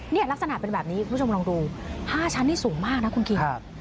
นี่ลักษณะเป็นแบบนี้คุณผู้ชมลองดู๕ชั้นนี่สูงมากนะคุณคิง